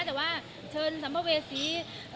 แต่ว่าเชิญสัมภเวษี